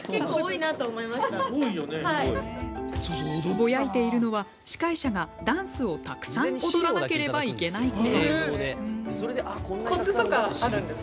ぼやいているのは司会者がダンスをたくさん踊らなければいけないこと。